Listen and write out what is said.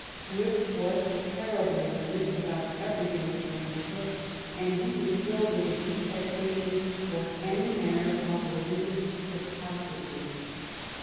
Swift was terribly in earnest about ev erything which he undertook, and he was filled with a detestation for any manner of religious hypocrisy.